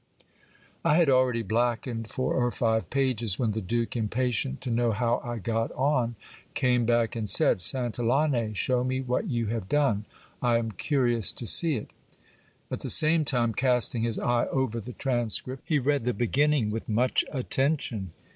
I had alreadV blackened four or five pages, when the duke, impatient to know how I got on, came back and said — Santillane, shew me what you have done; I am curious to see it At the same time, casting his eye over the transcript, he read the beginning with much attention.